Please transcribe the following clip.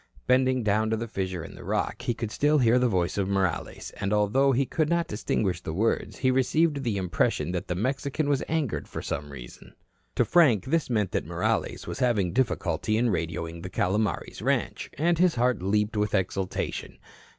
Bending down to the fissure in the rock, he could still hear the voice of Morales, and although he could not distinguish the words, he received the impression that the Mexican was angered for some reason. To Frank this meant that Morales was having difficulty in radioing the Calomares ranch, and his heart leaped with exultation.